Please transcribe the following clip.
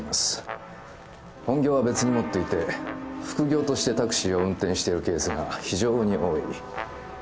本業は別に持っていて副業としてタクシーを運転しているケースが非常に多い。